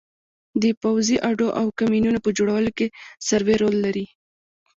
د پوځي اډو او کمینونو په جوړولو کې سروې رول لري